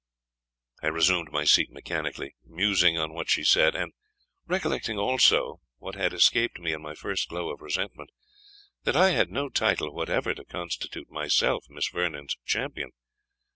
I resumed my seat mechanically, musing on what she said, and recollecting also, what had escaped me in my first glow of resentment, that I had no title whatever to constitute myself Miss Vernon's champion.